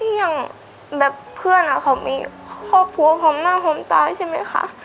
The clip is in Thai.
ที่อย่างแบบเพื่อนอะเค้ามีครอบครัวพร้อมนั่งพร้อมตายใช่ไหมคะ